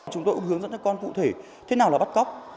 chúng tôi hướng dẫn các con cụ thể thế nào là bắt cóc